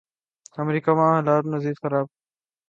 امریکہ وہاں حالات مزید خراب کرنے پہ تلا ہوا ہے۔